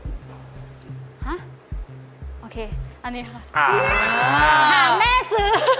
ฮะอ่ะค่ะค่าแม่ซื้อ